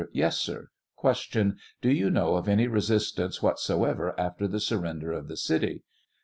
Yes, sir. Q. Do you know of any resistance whatsoever after the surrender of the city